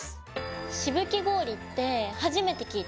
「しぶき氷」って初めて聞いた！